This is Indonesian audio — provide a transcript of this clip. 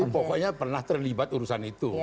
pokoknya pernah terlibat urusan itu